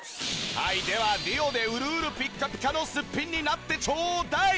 はいではＤＵＯでうるうるピッカピカのすっぴんになってちょうだい！